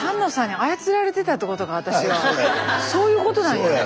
そういうことなんや。